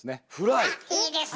あっいいですね！